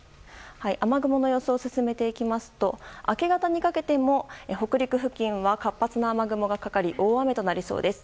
雨雲の予想を進めていきますと明け方にかけても北陸付近は活発な雨雲がかかり大雨となりそうです。